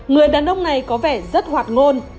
người đàn ông này có vẻ rất hoạt ngôn